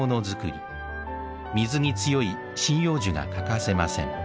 水に強い針葉樹が欠かせません